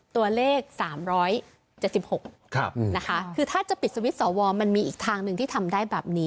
ตัวนี้มันเกิน